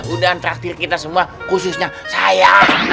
undang traktir kita semua khususnya saya